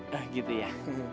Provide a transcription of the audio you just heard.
nah gitu ya